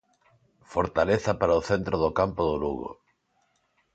Fortaleza para o centro do campo do Lugo.